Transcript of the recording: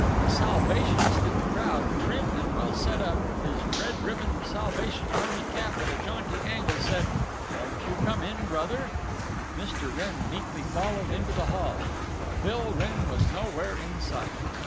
A Salvationist in the crowd, trim and well set up, his red ribboned Salvation Army cap at a jaunty angle, said, "Won't you come in, brother?" Mr. Wrenn meekly followed into the hall. Bill Wrenn was nowhere in sight.